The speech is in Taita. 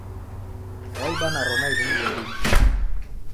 Waida naro naighu mghondinyi.